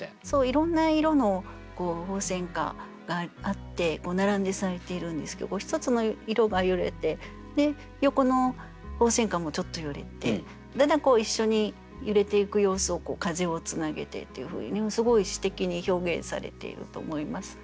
いろんな色の鳳仙花があって並んで咲いているんですけど一つの色が揺れて横の鳳仙花もちょっと揺れてだんだん一緒に揺れていく様子を「風をつなげて」っていうふうにすごい詩的に表現されていると思います。